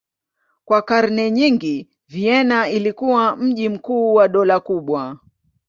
Kwa karne nyingi Vienna ilikuwa mji mkuu wa dola kubwa.